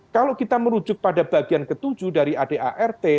kalau kita merujuk pada bagian ke tujuh dari adart